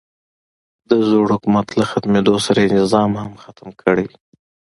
د زوړ حکومت له ختمېدو سره یې نظام هم ختم کړی.